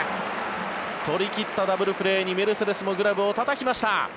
取り切ったダブルプレーにメルセデスもグラブをたたきました。